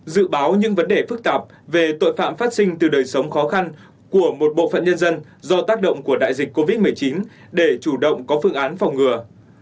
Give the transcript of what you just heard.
dự báo những vấn đề phức tạp về tội phạm phát sinh từ đời sống khó khăn của một bộ phận nhân dân do tác động của đại dịch covid một mươi chín để chủ động có phương án phòng ngừa